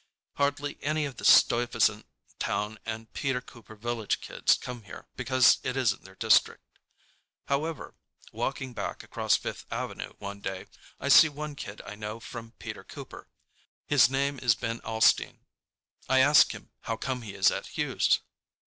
Hardly any of the Stuyvesant Town and Peter Cooper Village kids come here because it isn't their district. However, walking back across Fifth Avenue one day, I see one kid I know from Peter Cooper. His name is Ben Alstein. I ask him how come he is at Hughes.